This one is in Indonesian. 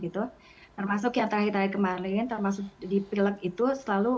termasuk yang terakhir terakhir kemarin termasuk di pilek itu selalu